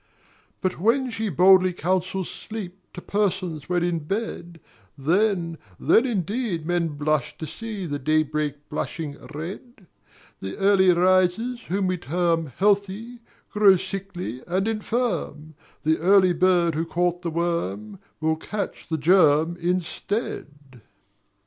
But when she boldly counsels Sleep To persons when in bed, Then, then indeed men blush to see The daybreak blushing red: The early risers whom we term Healthy, grow sickly and infirm; The Early Bird who caught the Worm Will catch the Germ instead.